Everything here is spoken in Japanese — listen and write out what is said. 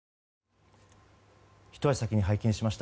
ひと足先に拝見しました。